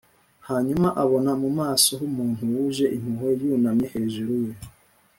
hanyuma abona mu maso h’umuntu wuje impuhwe yunamye hejuru ye